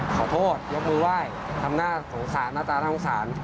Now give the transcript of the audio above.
ขอโทษยกมือไหว้ทำหน้าสงสารหน้าตาน่าสงสาร